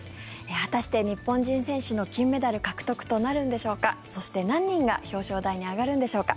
果たして日本人選手の金メダル獲得となるんでしょうかそして、何人が表彰台に上がるんでしょうか。